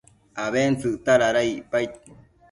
abentsëcta dada icpaid